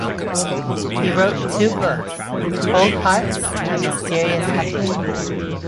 He wrote two books, "Cold Hearts" and "Mysterious Heparin".